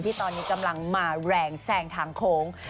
ที่ตอนนี้กำลังมาแรงแซงทางโค้ง